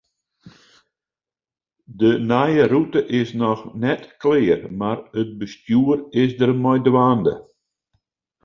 De nije rûte is noch net klear, mar it bestjoer is der mei dwaande.